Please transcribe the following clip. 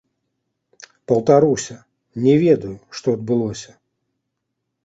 Паўтаруся, не ведаю, што адбылося.